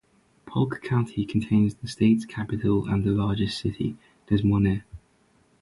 Polk County contains the state's capital and largest city, Des Moines.